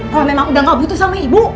kalau memang udah nggak putus sama ibu